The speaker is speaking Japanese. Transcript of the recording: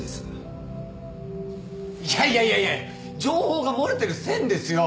いやいやいやいや情報が漏れてる線ですよ。